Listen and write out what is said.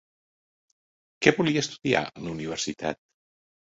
Què volia estudiar a la Universitat?